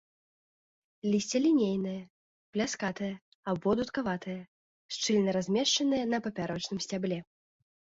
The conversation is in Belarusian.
Лісце лінейнае, пляскатае або дудкаватае, шчыльна размешчанае на папярочным сцябле.